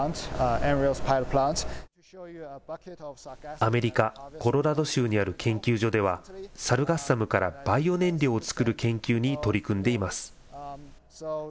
アメリカ・コロラド州にある研究所では、サルガッサムからバイオ燃料を作る研究に取り組んでいます。